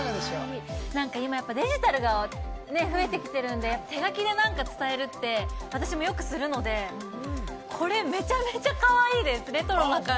今はデジタルが増えてきているんで手書きで何かを伝えるのは私もよくするのでこれめちゃめちゃかわいいです。